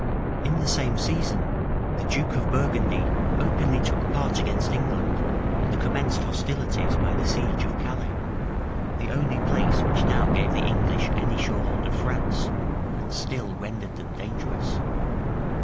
[*] In the same season, the duke of Burgundy openly took part against England, and commenced hostilities by the siege of Calais, the only place which now gave the English any sure hold of France, and still rendered them dangerous.